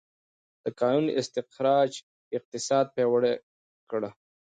د کانونو استخراج اقتصاد پیاوړی کړ.